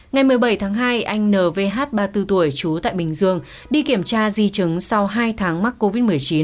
ngày một mươi bảy tháng hai anh n vh ba mươi bốn tuổi trú tại bình dương đi kiểm tra di chứng sau hai tháng mắc covid một mươi chín